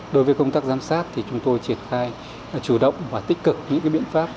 đối với công tác giám sát thì chúng tôi triển khai chủ động và tích cực những biện pháp